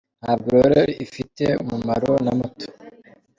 ntabwo rero ifite umumaro na muto.